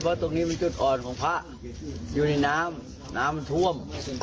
เพราะตรงนี้เป็นจุดอ่อนของพระอยู่ในน้ำน้ำมันท่วม